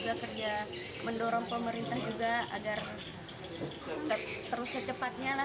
dan juga kerja mendorong pemerintah juga agar terus secepatnya lah